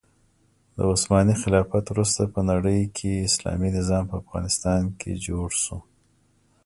د عثماني خلافت وروسته په نړۍکې اسلامي نظام په افغانستان کې جوړ شو.